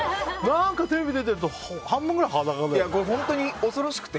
テレビ出てると半分ぐらい裸だよね。